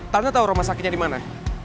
tante tau rumah sakitnya dimana